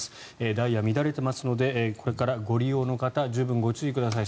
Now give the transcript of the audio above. ダイヤ、乱れていますのでこれからご利用の方十分ご注意ください。